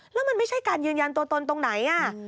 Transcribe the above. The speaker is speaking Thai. แล้วมันไม่ใช่การยืนยันตัวตนตรงไหน